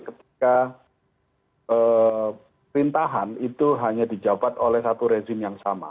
ketika perintahan itu hanya dijabat oleh satu rezim yang sama